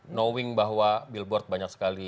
knowing bahwa billboard banyak sekali